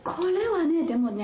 でもね。